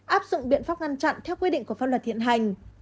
áp dụng biện pháp ngăn chặn theo quy định của pháp luật hiện hành